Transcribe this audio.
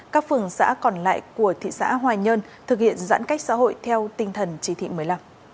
các phường xã còn lại của thị xã hoài nhơn thực hiện giãn cách xã hội theo tinh thần chỉ thị một mươi năm